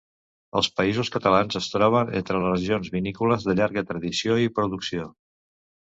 Els Països Catalans es troben entre les regions vinícoles de llarga tradició i producció.